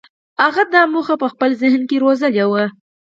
هغه دا موخه په خپل ذهن کې روزلې وه.